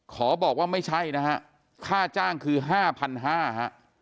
ขอบอกว่าไม่ใช่นะฮะข้าจ้างคือห้าพันห้าฮะ